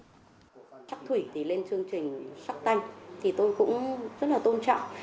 shark thủy thì lên chương trình shark tank thì tôi cũng rất là tôn trọng